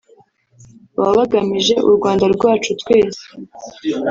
Baba bagamije u Rwanda rwacu twese